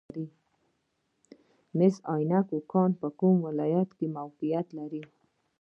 د مس عینک کان په کوم ولایت کې موقعیت لري؟